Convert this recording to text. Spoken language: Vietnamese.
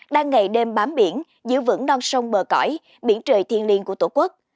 đang ngày đêm bám biển giữ vững non sông bờ cõi biển trời thiên liên của tổ quốc